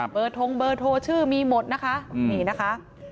เบอร์ท้งเบอร์โทรชื่อมีหมดนะคะ